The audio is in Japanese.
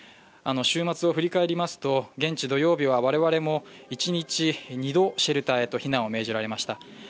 週末を振り返りますと、現地土曜日は一日２度シェルターへと避難を命じられました。